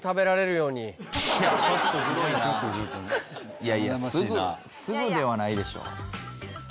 いやいやすぐすぐではないでしょう。